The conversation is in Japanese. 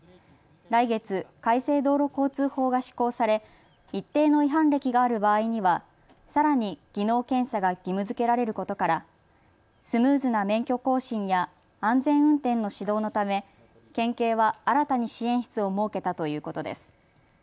来月、改正道路交通法が施行され一定の違反歴がある場合にはさらに技能検査が義務づけられることからスムーズな免許更新や安全運転の指導のため県警は新たに支援室を設けたということです。